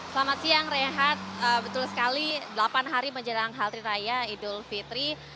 selamat siang rehat betul sekali delapan hari menjelang hari raya idul fitri